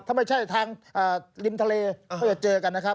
ถ้าไม่ใช่ทางริมทะเลก็จะเจอกันนะครับ